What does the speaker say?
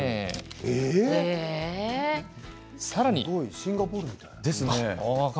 すごい！シンガポールみたい。